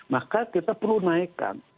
maka kita perlu naikkan